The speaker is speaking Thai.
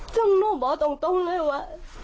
จึงโน้ตบออกตรงเลยว่ะ